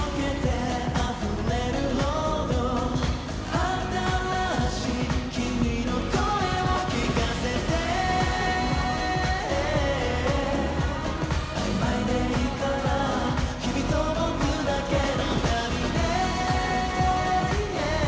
「あたらしい君の声を聞かせて」「曖昧でいいから君と僕だけの旅へ」